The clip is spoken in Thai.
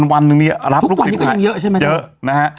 วันนึงเนี่ยรับลูกศิษย์ลูกหาเยอะนะฮะ